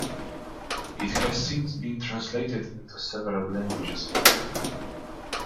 It has since been translated into several languages.